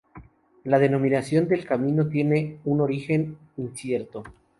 La denominación del camino tiene un origen incierto.